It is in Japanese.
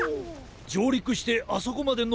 じょうりくしてあそこまでのぼるぞ。